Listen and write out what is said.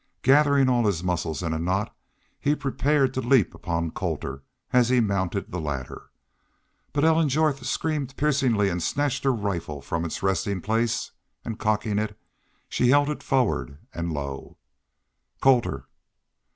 Gathering all his muscles in a knot he prepared to leap upon Colter as he mounted the ladder. But, Ellen Jorth screamed piercingly and snatched her rifle from its resting place and, cocking it, she held it forward and low. "COLTER!"